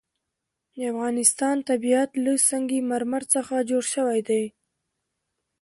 د افغانستان طبیعت له سنگ مرمر څخه جوړ شوی دی.